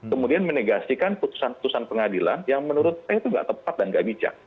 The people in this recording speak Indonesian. kemudian menegasikan putusan putusan pengadilan yang menurut saya itu nggak tepat dan nggak bijak